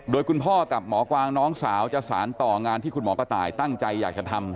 โดยคุณพ่อกับหมอกวางน้องสาวจะสารต่องานที่คุณหมอกระต่ายตั้งใจอยากจะทำ